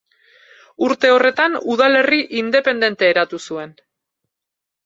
Urte horretan, udalerri independente eratu zuen.